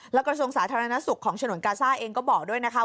แล้วกระทรวงสาธารณสุขของฉนวนกาซ่าเองก็บอกด้วยนะคะ